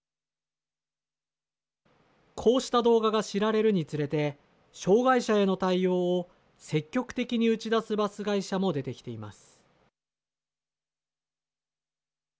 こうした動画が知られるにつれて障害者への対応を積極的に打ち出すバス会社も出てきています。